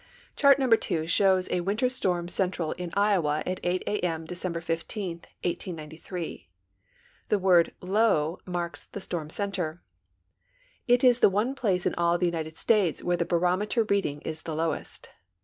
Chart No. II shows a winter storm central in Iowa at 8 a. m., December 15, 189o. The word "low " marks the storm center. It is the one place in all the United States where the barometer reading is the lowest.